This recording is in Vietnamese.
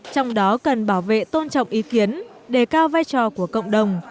trong đó cần bảo vệ tôn trọng ý kiến đề cao vai trò của cộng đồng